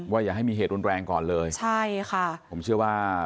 อย่าให้มีเหตุรุนแรงก่อนเลยใช่ค่ะผมเชื่อว่า